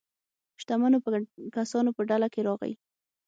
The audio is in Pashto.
شتمنو کسانو په ډله کې راغی.